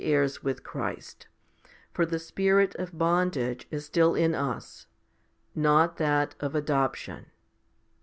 HOMILY XXV 181 heirs with Christ,' 1 for the spirit of bondage is still in us, not that of adoption.